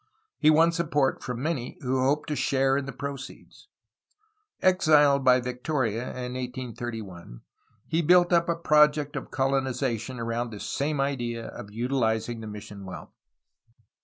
He won support from many who hoped to share in the proceeds. Exiled by Victoria in 1831 he built up a project of colonization around this same idea of utilizing the mission wealth.